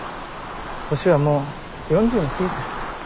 年はもう４０を過ぎてる。